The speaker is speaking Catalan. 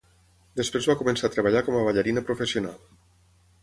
Després va començar a treballar com a ballarina professional.